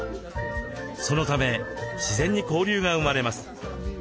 そのため自然に交流が生まれます。